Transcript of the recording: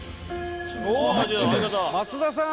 「松田さん！」